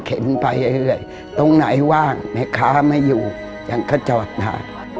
ไปเรื่อยตรงไหนว่างแม่ค้าไม่อยู่ฉันก็จอดห่าง